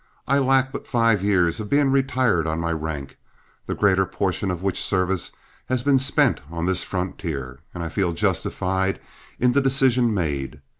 I lack but five years of being retired on my rank, the greater portion of which service has been spent on this frontier, and I feel justified in the decision made.